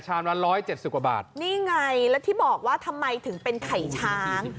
ชามร้าน๑๗๐บาทนี่ไงแล้วที่บอกว่าทำไมถึงเป็นไข่ช้าง